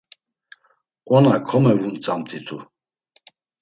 Ona komevuntzamt̆itu…